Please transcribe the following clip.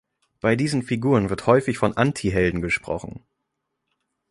Bei diesen Figuren wird häufig von Antihelden gesprochen.